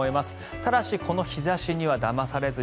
ただし、この日差しにはだまされずに。